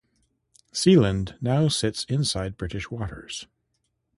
Sealand now sits inside British waters.